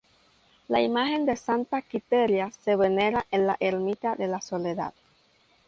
La imagen de Santa Quiteria se venera en la ermita de la Soledad.